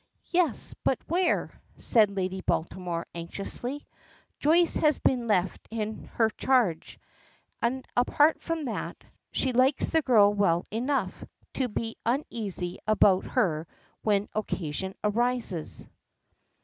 "Yes; but where?" says Lady Baltimore anxiously. Joyce has been left in her charge, and, apart from that, she likes the girl well enough, to be uneasy about her when occasion arises.